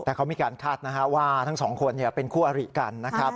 แต่เขามีการคาดว่าทั้งควรเป็นคู่ริกันนะครับ